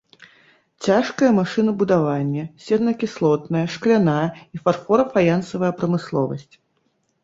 Цяжкае машынабудаванне, сернакіслотная, шкляная і фарфора-фаянсавая прамысловасць.